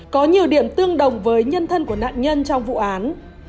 có nhiều điểm tương đồng với nhân thân của nạn nhân trong vụ án